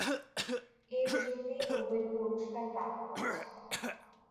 এর জন্যই নোবেল পুরস্কার লাভ করেছিলেন।